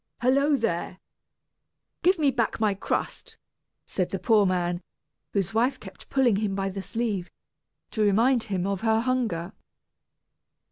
"Hallo there! give me back my crust," said the poor man, whose wife kept pulling him by the sleeve, to remind him of her hunger.